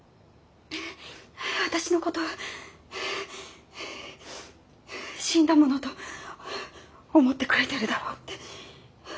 私の事死んだものと思ってくれてるだろうって。